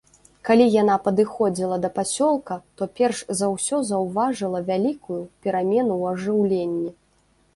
Калі яна падыходзіла да пасёлка, то перш за ўсё заўважыла вялікую перамену ў ажыўленні.